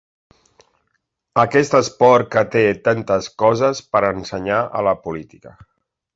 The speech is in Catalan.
Aquest esport que té tantes coses per ensenyar a la política.